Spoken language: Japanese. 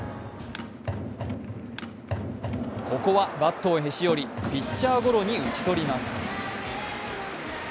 ここはバットをへし折りピッチャーゴロに打ち取ります。